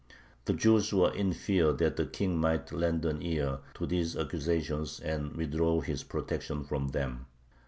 The Jews were in fear that the King might lend an ear to these accusations and withdraw his protection from them.